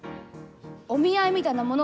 お見合いみたいなもの。